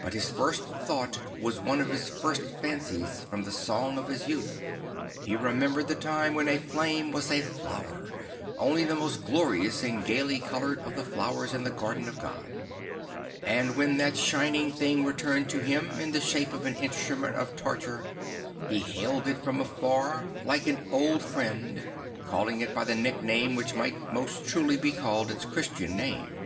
But his first thought was one of his first fancies from the songs of his youth. He remembered the time "'hen a flame was a flower, only the most glorious and gaily coloured of the flowers in the garden of God; and when that shining thing returned to him in the shape of an instrument of torture" he hailed it from afar like 108 St. Francis of Assisi an old friend, calling it by the nickname which might most truly be called its Christian name.